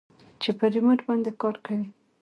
چې په ريموټ باندې کار کوي.